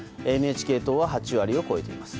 ＮＨＫ党は８割を超えています。